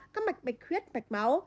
các mạch bạch khuyết mạch máu